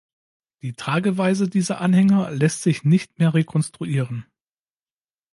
Die Trageweise dieser Anhänger lässt sich nicht mehr rekonstruieren.